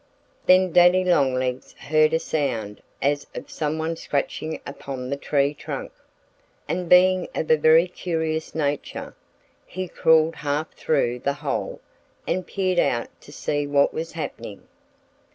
Then Daddy Longlegs heard a sound as of some one scratching upon the tree trunk. And being of a very curious nature, he crawled half through the hole and peered out to see what was happening.